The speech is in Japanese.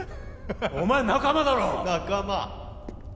お前仲間だろ仲間？